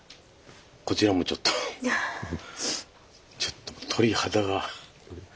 こちらもちょっとちょっと鳥肌が立ちましたね。